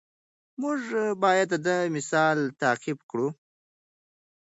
موږ باید د ده مثال تعقیب کړو.